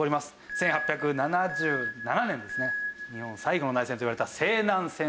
１８７７年ですね日本最後の内戦といわれた西南戦争。